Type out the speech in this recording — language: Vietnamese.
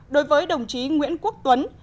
đối với đồng chí nguyễn quốc tuấn